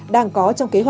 đang có trong các sản phẩm